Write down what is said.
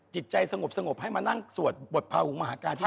จิตใจสงบให้มานั่งสวดบทภาหุงมหากาที่